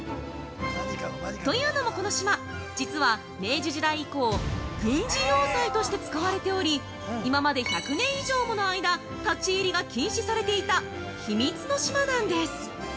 というのも、この島実は、明治時代以降軍事要塞として使われており今まで１００年以上もの間立ち入りが禁止されていた秘密の島なんです。